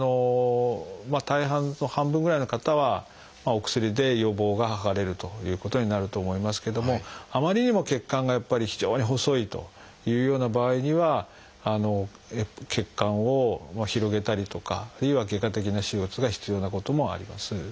大半半分ぐらいの方はお薬で予防が図れるということになると思いますけどもあまりにも血管がやっぱり非常に細いというような場合には血管を広げたりとかあるいは外科的な手術が必要なこともあります。